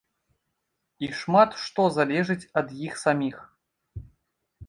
І шмат што залежыць ад іх саміх.